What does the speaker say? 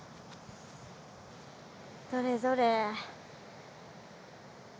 どれどれ。